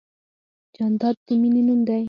جانداد د مینې نوم دی.